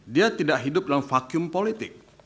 dia tidak hidup dalam fakih politik